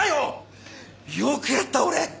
よくやった俺！